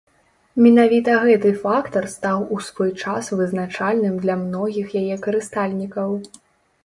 Менавіта гэты фактар стаў у свой час вызначальным для многіх яе карыстальнікаў.